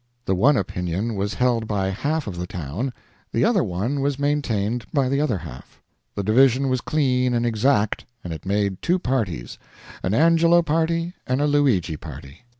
The one opinion was held by half of the town, the other one was maintained by the other half. The division was clean and exact, and it made two parties, an Angelo party and a Luigi party.